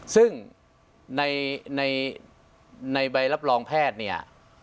ซึ่งในใบรับรองแพทย์เนี่ย